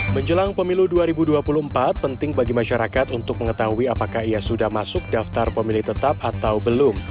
menjelang pemilu dua ribu dua puluh empat penting bagi masyarakat untuk mengetahui apakah ia sudah masuk daftar pemilih tetap atau belum